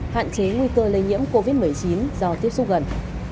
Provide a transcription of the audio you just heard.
hạn chế nguy cơ lây nhiễm covid một mươi chín do tiếp xúc gần